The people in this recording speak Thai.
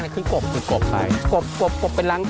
แล้วก็กรอบขึ้นมาเป็นกอง